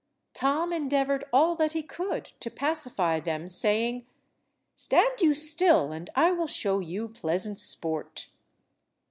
Tom endeavoured all that he could to pacify them, saying— "Stand you still and I will show you pleasant sport."